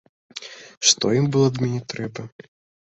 Што ім было ад мяне трэба?